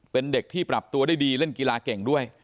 เป็นเด็กที่ปรับตัวได้ดีเล่นกีฬาเก่งด้วย